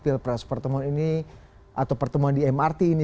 di peras pertemuan ini atau pertemuan di mrt ini